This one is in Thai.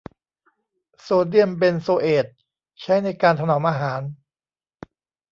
โซเดียมเบนโซเอทใช้ในการถนอมอาหาร